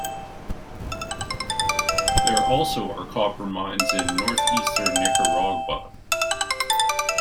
There also are copper mines in northeastern Nicaragua.